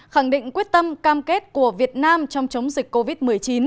khẳng định quyết tâm cam kết của việt nam trong chống dịch covid một mươi chín